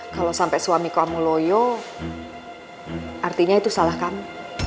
kalau sampai suami kamu loyo artinya itu salah kamu